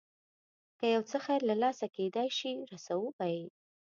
که یو څه خیر له لاسه کېدای شي رسوو به یې.